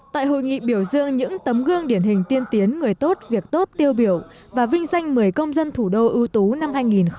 tại hội nghị biểu dương những tấm gương điển hình tiên tiến người tốt việc tốt tiêu biểu và vinh danh một mươi công dân thủ đô ưu tú năm hai nghìn một mươi chín